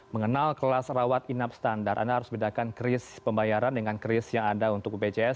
mengenal kelas rawat inap standar anda harus bedakan kris pembayaran dengan kris yang ada untuk bpjs